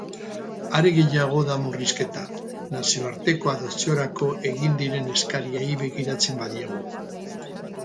Are gehiago da murrizketa, nazioarteko adopziorako egin diren eskariei begiratzen badiegu.